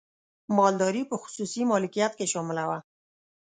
مالداري په خصوصي مالکیت کې شامله وه.